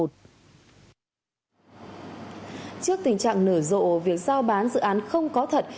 trước tình trạng nở rộ việc giao bán dự án không có thật